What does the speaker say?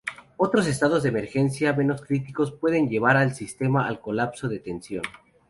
Otros estados de emergencia menos críticos pueden llevar al sistema al colapso de tensión.